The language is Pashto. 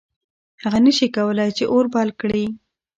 هغه نه شي کولی چې اور بل کړي.